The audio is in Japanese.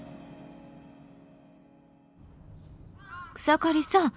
草刈さん